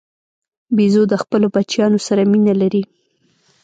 بیزو د خپلو بچیانو سره مینه لري.